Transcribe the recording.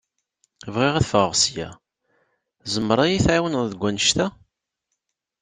Bɣiɣ ad fɣeɣ sya, tzemreḍ ad iyi-tɛiwneḍ deg wanect-a?